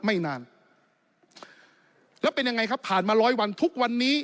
ไม่นานแล้วเป็นยังไงครับผ่านมาร้อยวันทุกวันนี้